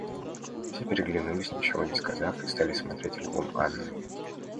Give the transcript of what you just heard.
Все переглянулись, ничего не сказав, и стали смотреть альбом Анны.